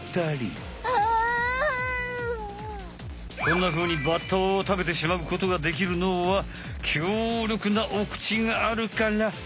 こんなふうにバッタをたべてしまうことができるのは強力なおクチがあるから。